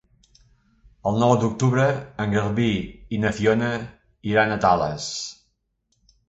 El nou d'octubre en Garbí i na Fiona iran a Tales.